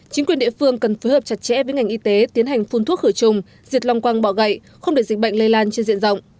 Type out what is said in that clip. chính quyền địa phương cần phối hợp chặt chẽ với ngành y tế tiến hành phun thuốc khử trùng diệt lòng quang bọ gậy không để dịch bệnh lây lan trên diện rộng